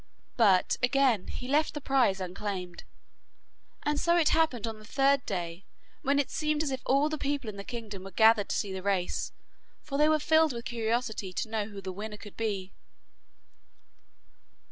But again he left the prize unclaimed, and so it happened on the third day, when it seemed as if all the people in the kingdom were gathered to see the race, for they were filled with curiosity to know who the winner could be.